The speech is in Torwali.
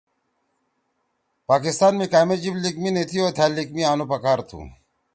کہ پاکستان می کامے جیِب لیِک می نیِتھیؤ تھأ لیِکھ می آنُو پکار تُھو۔